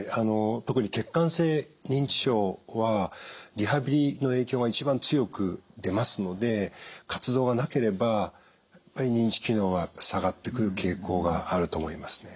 特に血管性認知症はリハビリの影響が一番強く出ますので活動がなければやっぱり認知機能が下がってくる傾向があると思いますね。